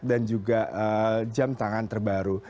dan juga jam tangan terbaru